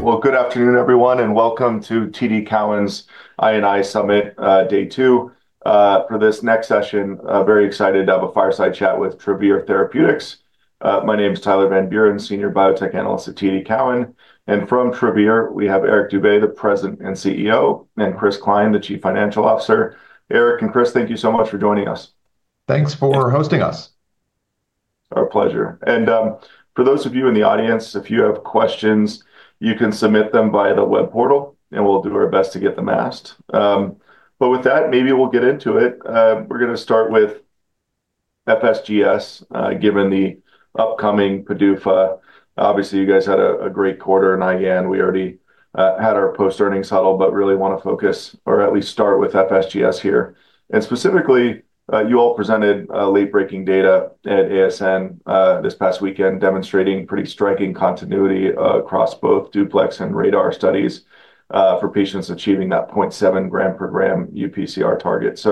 All right. Good afternoon, everyone, and welcome to TD Cowen's I&I Summit, Day 2, for this next session. Very excited to have a fireside chat with Travere Therapeutics. My name is Tyler Van Buren, Senior Biotech Analyst at TD Cowen. From Travere, we have Eric Dube, the President and CEO, and Chris Cline, the Chief Financial Officer. Eric and Chris, thank you so much for joining us. Thanks for hosting us. Our pleasure. For those of you in the audience, if you have questions, you can submit them via the web portal, and we'll do our best to get them asked. With that, maybe we'll get into it. We're going to start with FSGS, given the upcoming PDUFA. Obviously, you guys had a great quarter in IgAN. We already had our post-earnings huddle, but really want to focus, or at least start with FSGS here. Specifically, you all presented late-breaking data at ASN this past weekend, demonstrating pretty striking continuity across both DUPLEX and RADAR studies for patients achieving that 0.7 gram per gram UPCR target.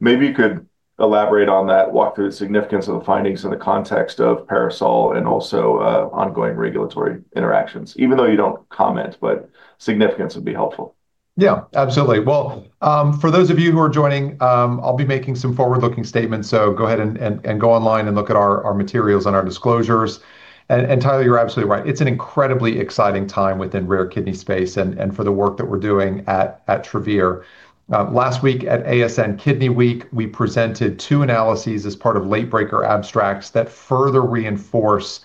Maybe you could elaborate on that, walk through the significance of the findings in the context of PARASOL and also ongoing regulatory interactions, even though you don't comment, but significance would be helpful. Yeah, absolutely. For those of you who are joining, I'll be making some forward-looking statements, so go ahead and go online and look at our materials and our disclosures. Tyler, you're absolutely right. It's an incredibly exciting time within rare kidney space and for the work that we're doing at Travere. Last week at ASN Kidney Week, we presented two analyses as part of late-breaker abstracts that further reinforce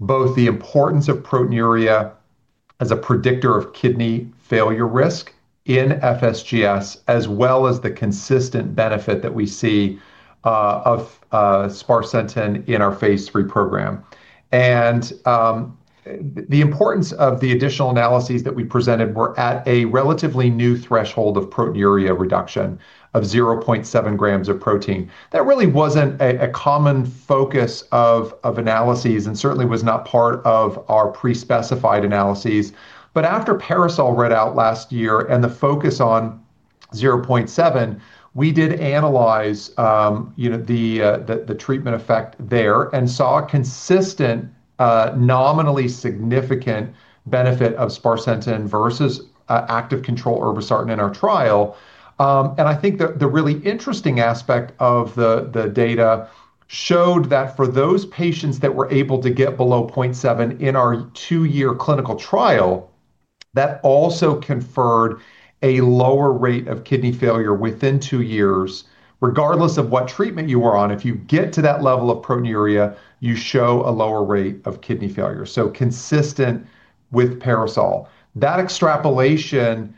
both the importance of proteinuria as a predictor of kidney failure risk in FSGS, as well as the consistent benefit that we see of sparsentan in our phase three program. The importance of the additional analyses that we presented were at a relatively new threshold of proteinuria reduction of 0.7 g of protein. That really wasn't a common focus of analyses and certainly was not part of our pre-specified analyses. After PARASOL readout last year and the focus on 0.7, we did analyze, you know, the treatment effect there and saw a consistent, nominally significant benefit of sparsentan versus active control irbesartan in our trial. I think the really interesting aspect of the data showed that for those patients that were able to get below 0.7 in our two-year clinical trial, that also conferred a lower rate of kidney failure within two years, regardless of what treatment you were on. If you get to that level of proteinuria, you show a lower rate of kidney failure. Consistent with PARASOL, that extrapolation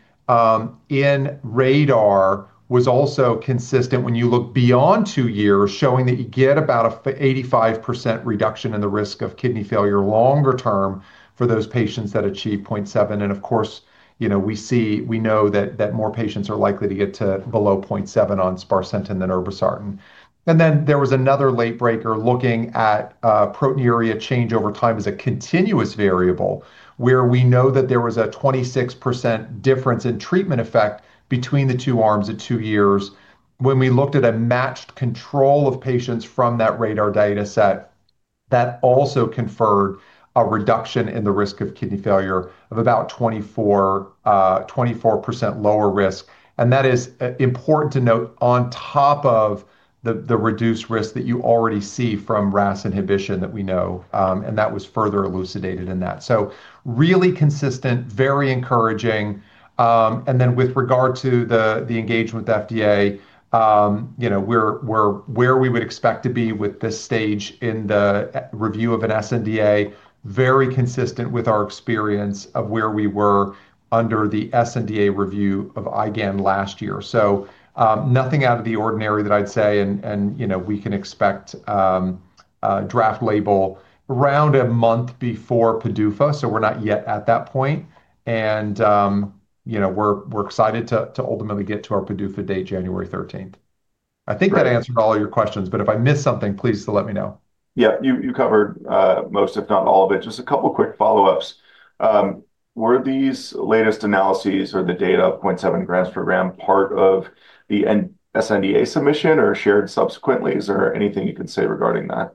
in RADAR was also consistent when you look beyond two years, showing that you get about an 85% reduction in the risk of kidney failure longer term for those patients that achieve 0.7. Of course, you know, we see, we know that more patients are likely to get to below 0.7 on sparsentan than irbesartan. There was another late-breaker looking at proteinuria change over time as a continuous variable, where we know that there was a 26% difference in treatment effect between the two arms at two years. When we looked at a matched control of patients from that RADAR data set, that also conferred a reduction in the risk of kidney failure of about 24%, 24% lower risk. That is important to note on top of the reduced risk that you already see from RAS inhibition that we know, and that was further elucidated in that. Really consistent, very encouraging. And then with regard to the engagement with the FDA, you know, we're where we would expect to be with this stage in the review of an SNDA, very consistent with our experience of where we were under the SNDA review of IgAN last year. Nothing out of the ordinary that I'd say, and, you know, we can expect draft label around a month before PDUFA. We're not yet at that point. You know, we're excited to ultimately get to our PDUFA date January 13th. I think that answered all your questions, but if I missed something, please let me know. Yeah, you covered most, if not all of it. Just a couple of quick follow-ups. Were these latest analyses or the data of 0.7 grams per gram part of the SNDA submission or shared subsequently? Is there anything you can say regarding that?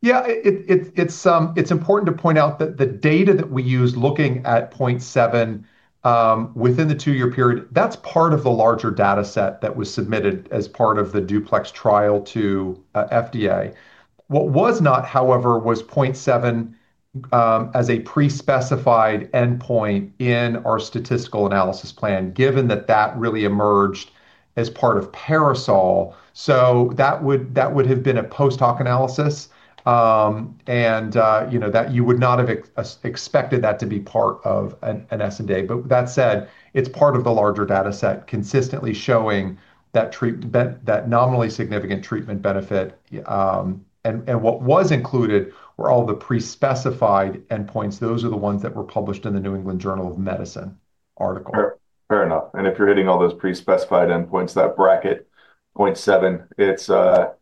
Yeah, it's important to point out that the data that we use looking at 0.7, within the two-year period, that's part of the larger data set that was submitted as part of the DUPLEX trial to FDA. What was not, however, was 0.7 as a pre-specified endpoint in our statistical analysis plan, given that that really emerged as part of PARASOL. That would have been a post-hoc analysis, and, you know, you would not have expected that to be part of an SNDA. That said, it's part of the larger data set consistently showing that nominally significant treatment benefit. What was included were all the pre-specified endpoints. Those are the ones that were published in the New England Journal of Medicine article. Fair, fair enough. If you're hitting all those pre-specified endpoints, that bracket 0.7,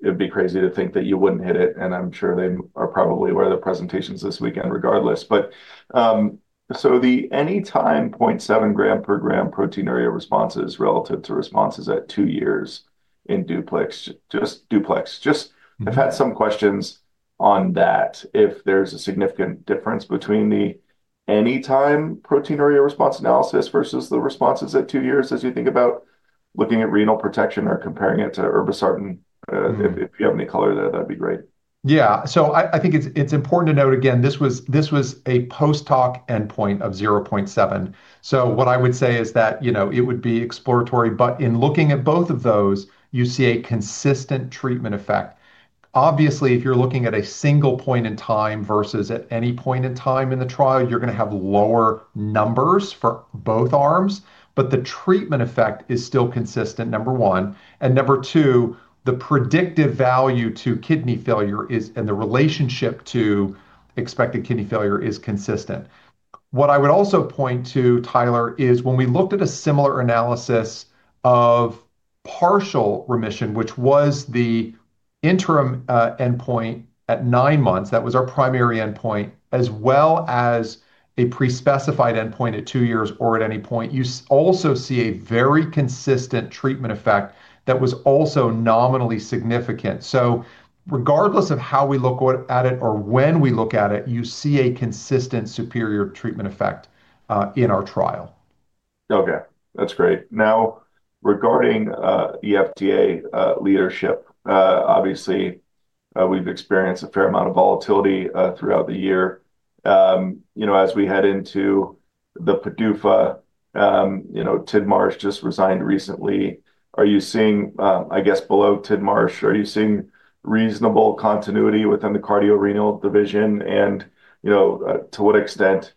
it'd be crazy to think that you wouldn't hit it. I'm sure they are probably where the presentations this weekend regardless. The anytime 0.7 gram per gram proteinuria responses relative to responses at two years in DUPLEX, just DUPLEX, I've had some questions on that. If there's a significant difference between the anytime proteinuria response analysis versus the responses at two years, as you think about looking at renal protection or comparing it to irbesartan, if you have any color there, that'd be great. Yeah. I think it's important to note again, this was a post-hoc endpoint of 0.7. What I would say is that, you know, it would be exploratory, but in looking at both of those, you see a consistent treatment effect. Obviously, if you're looking at a single point in time versus at any point in time in the trial, you're going to have lower numbers for both arms, but the treatment effect is still consistent, number one. Number two, the predictive value to kidney failure is, and the relationship to expected kidney failure is consistent. What I would also point to, Tyler, is when we looked at a similar analysis of partial remission, which was the interim endpoint at nine months, that was our primary endpoint, as well as a pre-specified endpoint at two years or at any point, you also see a very consistent treatment effect that was also nominally significant. Regardless of how we look at it or when we look at it, you see a consistent superior treatment effect, in our trial. Okay, that's great. Now, regarding the FDA leadership, obviously, we've experienced a fair amount of volatility throughout the year. You know, as we head into the PDUFA, you know, Ted Marsh just resigned recently. Are you seeing, I guess below Ted Marsh, are you seeing reasonable continuity within the cardiorenal division? You know, to what extent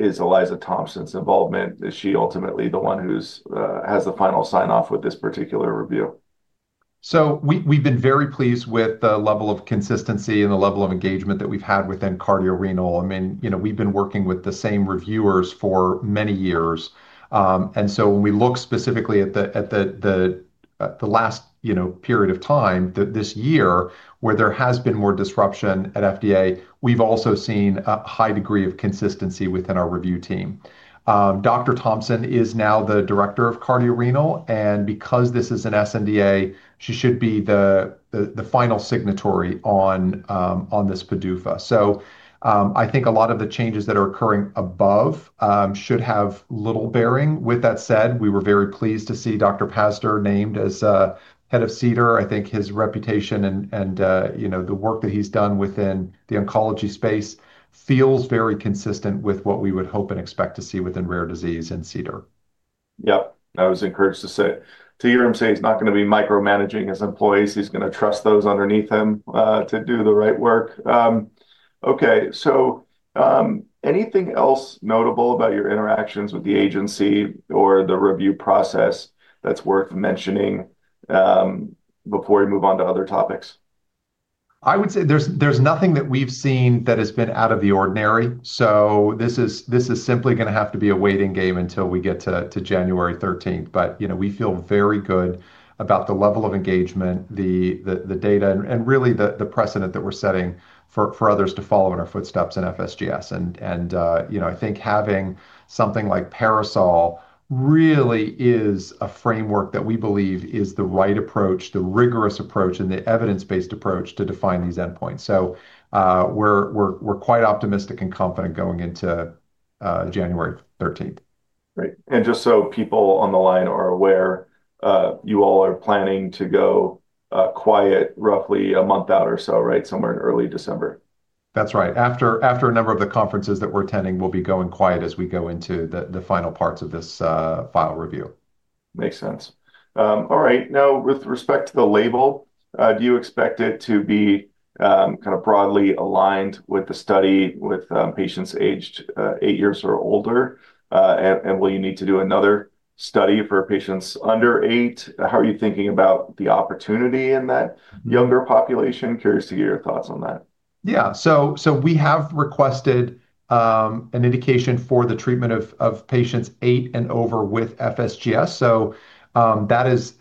is Eliza Thompson's involvement? Is she ultimately the one who's, has the final sign-off with this particular review? We have been very pleased with the level of consistency and the level of engagement that we have had within cardiorenal. I mean, you know, we have been working with the same reviewers for many years. When we look specifically at the last period of time, this year, where there has been more disruption at FDA, we have also seen a high degree of consistency within our review team. Dr. Thompson is now the Director of Cardiorenal. Because this is an SNDA, she should be the final signatory on this PDUFA. I think a lot of the changes that are occurring above should have little bearing. With that said, we were very pleased to see Dr. Pastor named as head of CBER. I think his reputation and, you know, the work that he's done within the oncology space feels very consistent with what we would hope and expect to see within rare disease in CDER. Yep. I was encouraged to say, to hear him say he's not going to be micromanaging his employees. He's going to trust those underneath him to do the right work. Okay. So, anything else notable about your interactions with the agency or the review process that's worth mentioning, before we move on to other topics? I would say there's nothing that we've seen that has been out of the ordinary. This is simply going to have to be a waiting game until we get to January 13th. You know, we feel very good about the level of engagement, the data, and really the precedent that we're setting for others to follow in our footsteps in FSGS. I think having something like PARASOL really is a framework that we believe is the right approach, the rigorous approach, and the evidence-based approach to define these endpoints. We're quite optimistic and confident going into January 13th. Great. And just so people on the line are aware, you all are planning to go quiet roughly a month out or so, right? Somewhere in early December. That's right. After a number of the conferences that we're attending, we'll be going quiet as we go into the final parts of this final review. Makes sense. All right. Now, with respect to the label, do you expect it to be, kind of broadly aligned with the study with, patients aged, eight years or older? And, and will you need to do another study for patients under eight? How are you thinking about the opportunity in that younger population? Curious to hear your thoughts on that. Yeah. We have requested an indication for the treatment of patients eight and over with FSGS. That is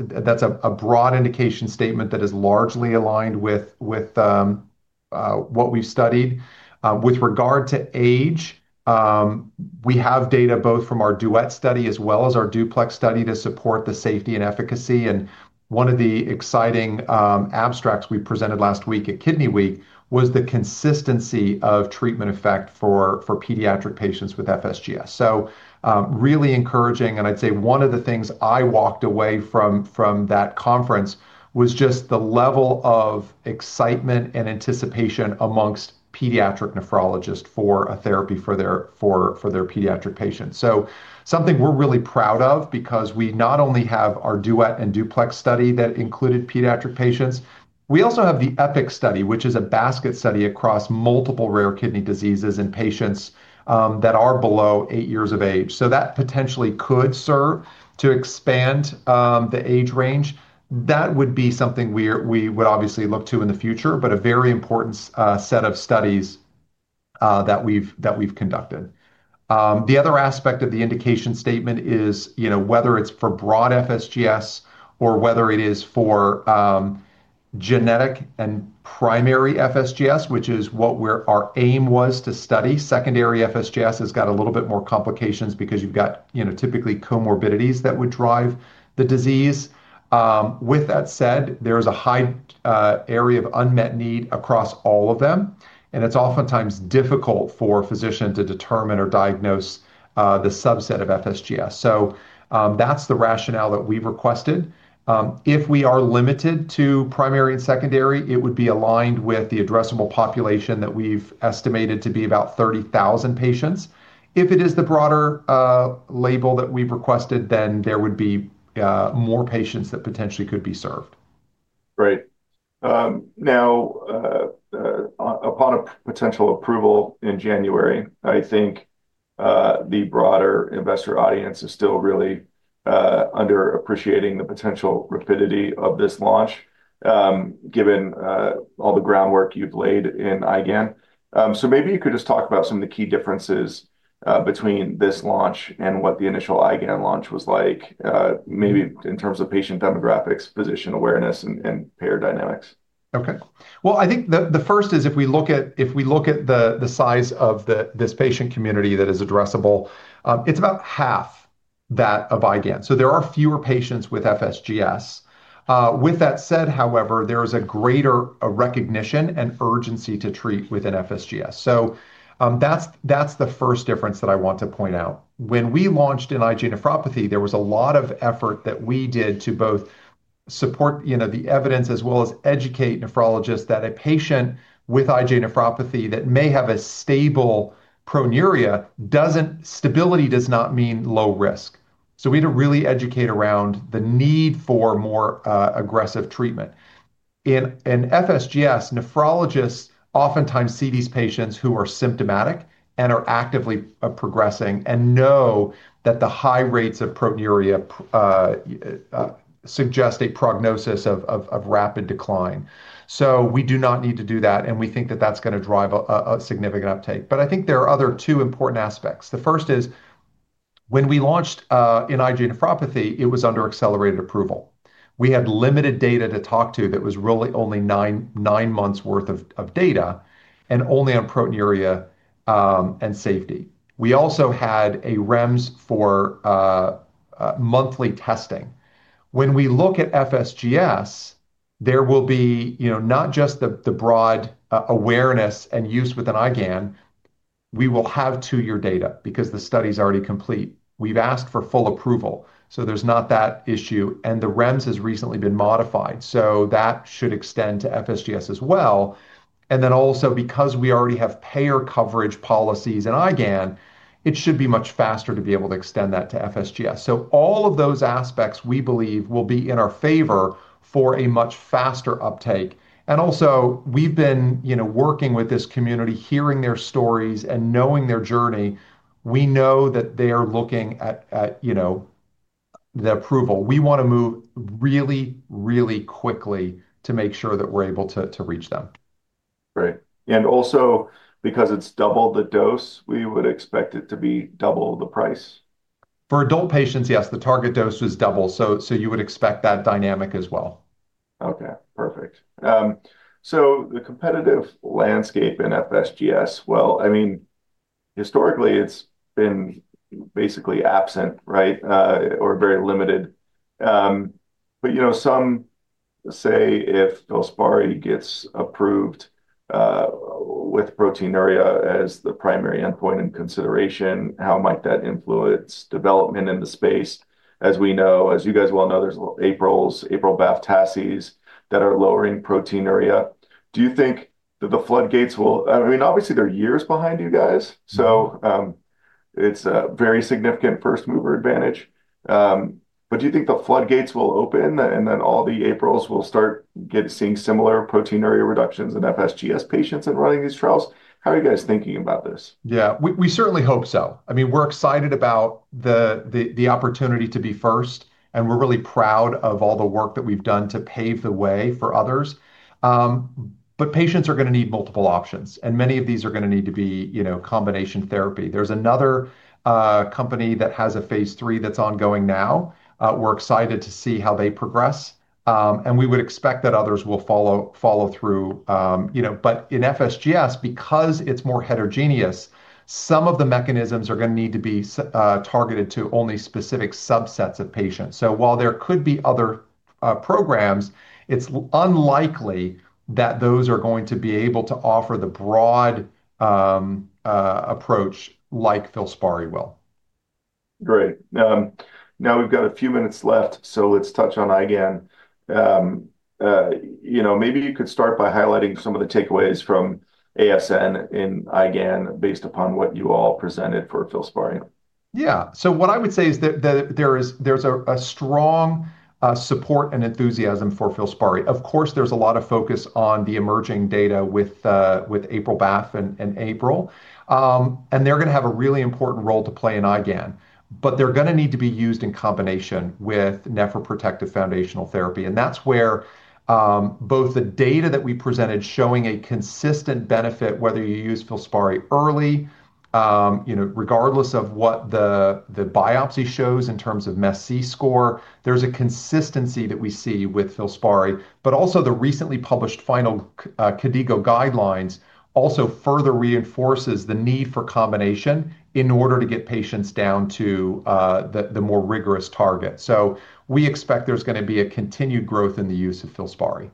a broad indication statement that is largely aligned with what we've studied. With regard to age, we have data both from our DUET Study as well as our DUPLEX Study to support the safety and efficacy. One of the exciting abstracts we presented last week at Kidney Week was the consistency of treatment effect for pediatric patients with FSGS. Really encouraging. I'd say one of the things I walked away from that conference was just the level of excitement and anticipation amongst pediatric nephrologists for a therapy for their pediatric patients. Something we're really proud of because we not only have our DUET and DUPLEX study that included pediatric patients, we also have the EPIC study, which is a basket study across multiple rare kidney diseases in patients that are below eight years of age. That potentially could serve to expand the age range. That would be something we would obviously look to in the future, but a very important set of studies that we've conducted. The other aspect of the indication statement is, you know, whether it's for broad FSGS or whether it is for genetic and primary FSGS, which is what our aim was to study. Secondary FSGS has got a little bit more complications because you've got, you know, typically comorbidities that would drive the disease. With that said, there's a high area of unmet need across all of them, and it's oftentimes difficult for a physician to determine or diagnose the subset of FSGS. That's the rationale that we've requested. If we are limited to primary and secondary, it would be aligned with the addressable population that we've estimated to be about 30,000 patients. If it is the broader label that we've requested, then there would be more patients that potentially could be served. Great. Now, upon a potential approval in January, I think the broader investor audience is still really underappreciating the potential rapidity of this launch, given all the groundwork you've laid in IgAN. So maybe you could just talk about some of the key differences between this launch and what the initial IgAN launch was like, maybe in terms of patient demographics, physician awareness, and, and payer dynamics. Okay. I think the first is if we look at the size of this patient community that is addressable, it's about half that of IgAN. There are fewer patients with FSGS. With that said, however, there is a greater recognition and urgency to treat within FSGS. That's the first difference that I want to point out. When we launched in IgA nephropathy, there was a lot of effort that we did to both support the evidence as well as educate nephrologists that a patient with IgA nephropathy that may have a stable proteinuria, stability does not mean low risk. We had to really educate around the need for more aggressive treatment. In FSGS, nephrologists oftentimes see these patients who are symptomatic and are actively progressing and know that the high rates of proteinuria suggest a prognosis of rapid decline. We do not need to do that. We think that is going to drive a significant uptake. I think there are other two important aspects. The first is when we launched in IgA nephropathy, it was under accelerated approval. We had limited data to talk to that was really only nine months' worth of data and only on proteinuria and safety. We also had a REMS for monthly testing. When we look at FSGS, there will be, you know, not just the broad awareness and use within IgAN, we will have two-year data because the study is already complete. We have asked for full approval. There is not that issue. The REMS has recently been modified. That should extend to FSGS as well. Also, because we already have payer coverage policies in IgAN, it should be much faster to be able to extend that to FSGS. All of those aspects we believe will be in our favor for a much faster uptake. We've been, you know, working with this community, hearing their stories and knowing their journey. We know that they are looking at, at, you know, the approval. We want to move really, really quickly to make sure that we're able to, to reach them. Great. Also, because it is double the dose, we would expect it to be double the price. For adult patients, yes, the target dose was double. So you would expect that dynamic as well. Okay. Perfect. The competitive landscape in FSGS, I mean, historically it's been basically absent, right? Or very limited. But, you know, some say if FILSPARI gets approved, with proteinuria as the primary endpoint and consideration, how might that influence development in the space? As we know, as you guys well know, there are APRIL/BAFF assets that are lowering proteinuria. Do you think that the floodgates will, I mean, obviously they're years behind you guys. It's a very significant first mover advantage. But do you think the floodgates will open and then all the APRILs will start seeing similar proteinuria reductions in FSGS patients and running these trials? How are you guys thinking about this? Yeah, we certainly hope so. I mean, we're excited about the opportunity to be first, and we're really proud of all the work that we've done to pave the way for others. But patients are going to need multiple options, and many of these are going to need to be, you know, combination therapy. There's another company that has a phase three that's ongoing now. We're excited to see how they progress. And we would expect that others will follow through, you know, but in FSGS, because it's more heterogeneous, some of the mechanisms are going to need to be targeted to only specific subsets of patients. While there could be other programs, it's unlikely that those are going to be able to offer the broad approach like FILSPARI will. Great. Now we've got a few minutes left, so let's touch on IgAN. You know, maybe you could start by highlighting some of the takeaways from ASN in IgAN based upon what you all presented for FILSPARI. Yeah. So what I would say is that there is, there's a strong support and enthusiasm for FILSPARI. Of course, there's a lot of focus on the emerging data with APRIL/BAFF and APRIL. They're going to have a really important role to play in IgAN, but they're going to need to be used in combination with nephroprotective foundational therapy. That's where both the data that we presented showing a consistent benefit, whether you use FILSPARI early, you know, regardless of what the biopsy shows in terms of MEST-C score, there's a consistency that we see with FILSPARI, but also the recently published final KDIGO Guidelines also further reinforces the need for combination in order to get patients down to the more rigorous target. We expect there's going to be a continued growth in the use of FILSPARI.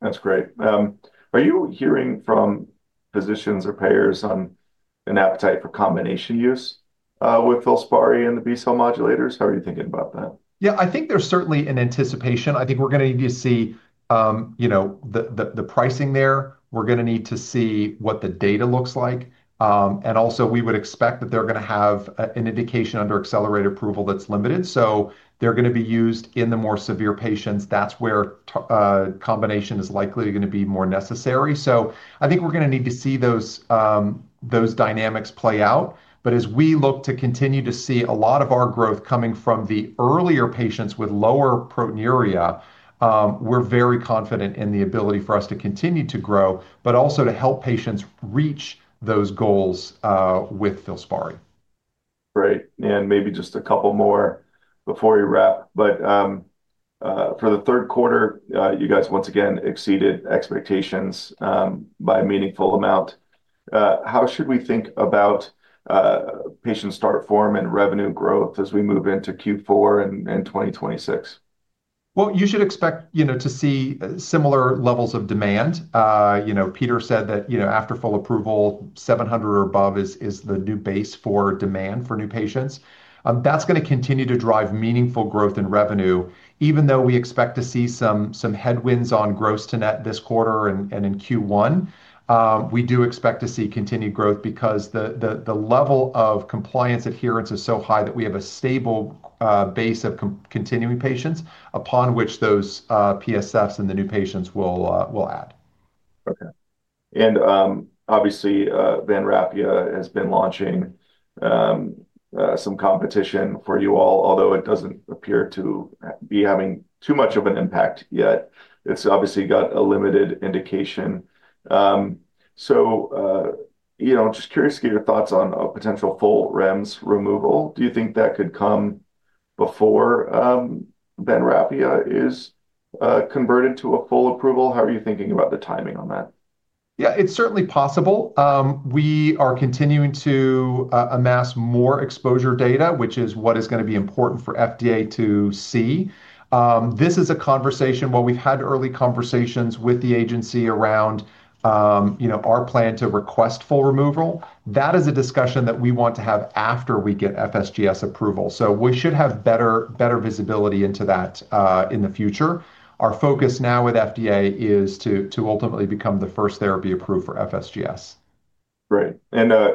That's great. Are you hearing from physicians or payers on an appetite for combination use, with FILSPARI and the B-cell modulators? How are you thinking about that? Yeah, I think there's certainly an anticipation. I think we're going to need to see, you know, the pricing there. We're going to need to see what the data looks like, and also we would expect that they're going to have an indication under accelerated approval that's limited. They're going to be used in the more severe patients. That's where combination is likely going to be more necessary. I think we're going to need to see those dynamics play out. As we look to continue to see a lot of our growth coming from the earlier patients with lower proteinuria, we're very confident in the ability for us to continue to grow, but also to help patients reach those goals, with FILSPARI. Great. And maybe just a couple more before we wrap, but, for the third quarter, you guys once again exceeded expectations, by a meaningful amount. How should we think about, patient start form and revenue growth as we move into Q4 in, in 2026? You should expect, you know, to see similar levels of demand. You know, Peter said that, you know, after full approval, 700 or above is the new base for demand for new patients. That is going to continue to drive meaningful growth in revenue, even though we expect to see some headwinds on gross to net this quarter and in Q1. We do expect to see continued growth because the level of compliance adherence is so high that we have a stable base of continuing patients upon which those PSFs and the new patients will add. Okay. Obviously, Vanrafia has been launching, some competition for you all, although it doesn't appear to be having too much of an impact yet. It's obviously got a limited indication, so, you know, just curious to get your thoughts on a potential full REMS removal. Do you think that could come before Vanrafia is converted to a full approval? How are you thinking about the timing on that? Yeah, it's certainly possible. We are continuing to amass more exposure data, which is what is going to be important for FDA to see. This is a conversation, you know, we've had early conversations with the agency around, you know, our plan to request full removal. That is a discussion that we want to have after we get FSGS approval. We should have better visibility into that in the future. Our focus now with FDA is to ultimately become the first therapy approved for FSGS. Great.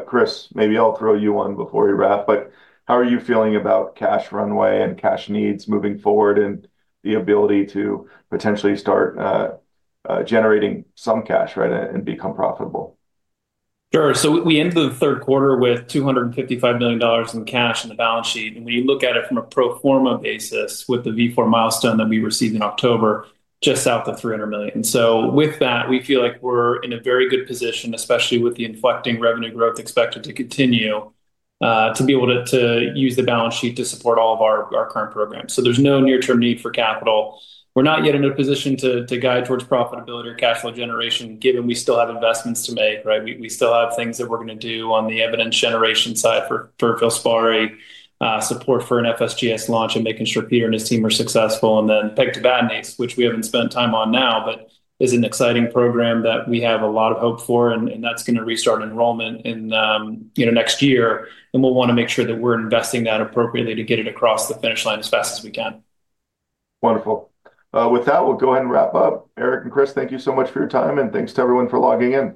Chris, maybe I'll throw you one before we wrap, but how are you feeling about cash runway and cash needs moving forward and the ability to potentially start, generating some cash, right, and become profitable? Sure. We ended the third quarter with $255 million in cash in the balance sheet. When you look at it from a pro forma basis with the V4 milestone that we received in October, just out the $300 million. With that, we feel like we're in a very good position, especially with the inflecting revenue growth expected to continue, to be able to use the balance sheet to support all of our current programs. There's no near-term need for capital. We're not yet in a position to guide towards profitability or cash flow generation, given we still have investments to make, right? We still have things that we're going to do on the evidence generation side for FILSPARI, support for an FSGS launch and making sure Peter and his team are successful. And then pegtibatinase, which we haven't spent time on now, but is an exciting program that we have a lot of hope for. And that's going to restart enrollment in, you know, next year. And we'll want to make sure that we're investing that appropriately to get it across the finish line as fast as we can. Wonderful. With that, we'll go ahead and wrap up. Eric and Chris, thank you so much for your time. And thanks to everyone for logging in.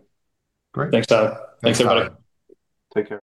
Great. Thanks, Tom. Thanks, everybody. Take care.